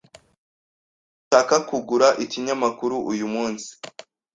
Sinshaka kugura ikinyamakuru uyu munsi